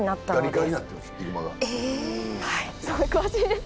すごい詳しいです。